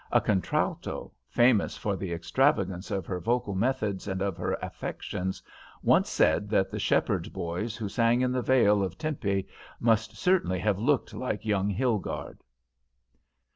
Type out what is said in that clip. A contralto, famous for the extravagance of her vocal methods and of her affections, once said that the shepherd boys who sang in the Vale of Tempe must certainly have looked like young Hilgarde.